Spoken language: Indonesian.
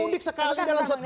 mudik sekali dalam setahun